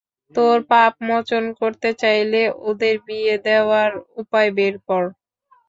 তোর পাপ মোচন করতে চাইলে ওদের বিয়ে দেওয়ার উপায় বের কর।